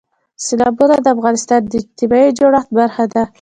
سیلابونه د افغانستان د اجتماعي جوړښت برخه ده.